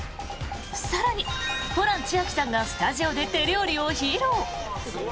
更にホラン千秋さんがスタジオで手料理を披露！